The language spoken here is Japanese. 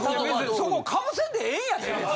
そこかぶせんでええやん別に。